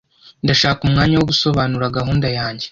Ndashaka umwanya wo gusobanura gahunda yanjye.